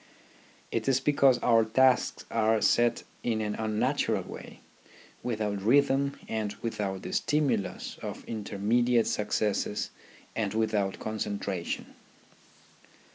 It is because our tasks are set in an unnatural way, without rhythm and without the stimulus of intermediate successes and without concentration.